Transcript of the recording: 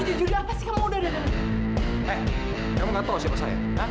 jujur kamu gak tau siapa saya